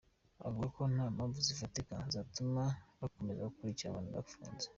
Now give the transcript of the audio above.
Avuga ko nta mpamvu zifatika zatuma bakomeza gukurikiranwa bafunze.